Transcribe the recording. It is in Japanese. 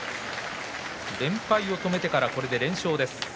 連敗を止めてからこれで連勝です。